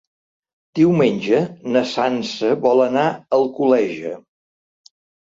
Diumenge na Sança vol anar a Alcoleja.